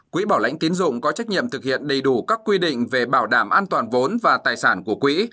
quỹ bảo lãnh tiến dụng có trách nhiệm thực hiện đầy đủ các quy định về bảo đảm an toàn vốn và tài sản của quỹ